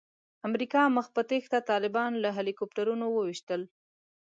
امریکا مخ په تېښته طالبان له هیلي کوپټرونو وویشتل.